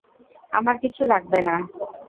আমার কিছু লাগবে না।